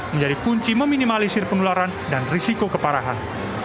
menjadi kunci meminimalisir penularan dan risiko keparahan